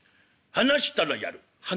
「話したらやる？